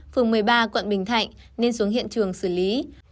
phường một mươi ba quận bình thạnh nên xuống hiện trường xử lý